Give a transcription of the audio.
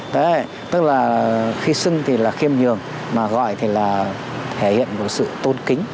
đấy tức là khi sưng thì là khiêm nhường mà gọi thì là thể hiện một sự tôn kính